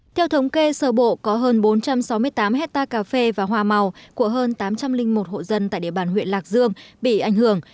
theo thống kê sở bộ có hơn bốn trăm sáu mươi tám hectare cà phê và hoa màu của hơn tám trăm linh một hộ dân tại địa bàn huyện lạc dương bị ảnh hưởng